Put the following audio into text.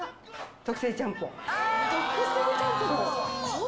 特製ちゃんぽん。